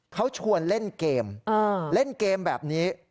เขาชวนเล่นเกมเล่นเกมแบบนี้